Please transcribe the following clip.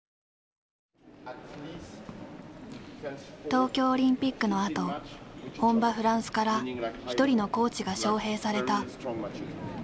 東京オリンピックのあと本場フランスから一人のコーチが招へいされた。